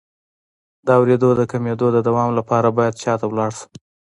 د اوریدو د کمیدو د دوام لپاره باید چا ته لاړ شم؟